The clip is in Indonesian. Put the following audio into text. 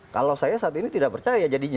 kalau saya saat ini tidak percaya jadinya